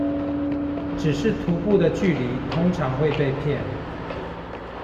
只是徒步的距離通常會被騙